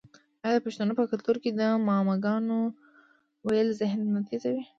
آیا د پښتنو په کلتور کې د معما ګانو ویل ذهن نه تیزوي؟